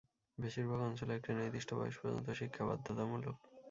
বেশিরভাগ অঞ্চলে একটি নির্দিষ্ট বয়স পর্যন্ত শিক্ষা বাধ্যতামূলক।